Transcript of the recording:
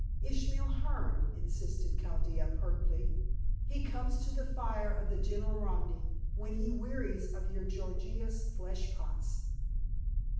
"Ishmael Hearne," insisted Chaldea pertly. "He comes to the fire of the Gentle Romany when he wearies of your Gorgious flesh pots."